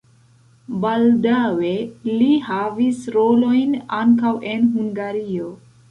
Baldaŭe li havis rolojn ankaŭ en Hungario.